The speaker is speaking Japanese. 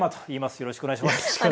よろしくお願いします。